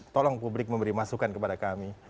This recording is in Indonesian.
tolong publik memberi masukan kepada kami